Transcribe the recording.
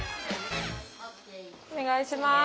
お願いします。